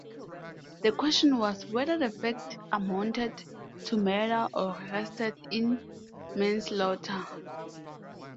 The question was whether the facts amounted to murder or rested in manslaughter.